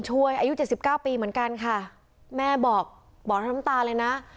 คุณช่วยอายุ๗๙ปีเหมือนกันค่ะแม่บอกบอกทั้งตามตาเลยนะ